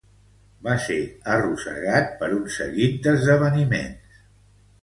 Va ser arrossegat per un seguit d'esdeveniments.